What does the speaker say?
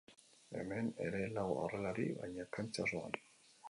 Hemen ere lau aurrelari baina kantxa osoan.